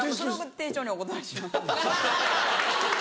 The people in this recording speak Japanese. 丁重にお断りします。